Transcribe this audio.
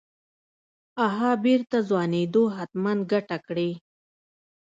اها بېرته ځوانېدو حتمن ګته کړې.